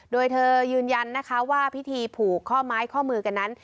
โดยเธอยืนยันนะคะว่าพิธีผูกข้อไม้ข้อมือกันนั้น